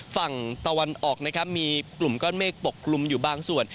ฝั่งตะวันออกนะครับมีกลุ่มก้อนเมฆปกกลุ่มอยู่บางส่วน